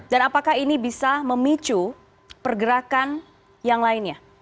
dan apakah ini bisa memicu pergerakan yang lainnya